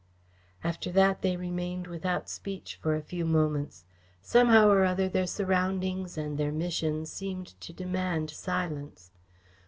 After that they remained without speech for a few moments. Somehow or other their surroundings and their mission seemed to demand silence.